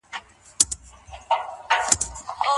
کله باید خپل وخت د نورو د مرستي لپاره وقف کړو؟